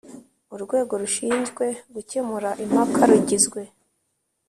Urwego rushinzwe gucyemura impaka rugizwe